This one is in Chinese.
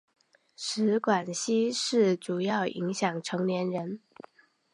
食管憩室主要影响成年人。